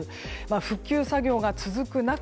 復旧作業が続く中